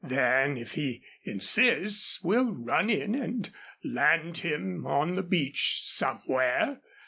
Then if he insists we'll run in and land him on the beach somewhere."